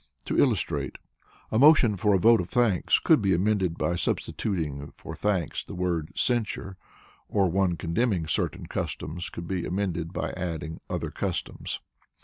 To illustrate: a motion for a vote of thanks could be amended by substituting for "thanks" the word "censure;" or one condemning certain customs could be amended by adding other customs.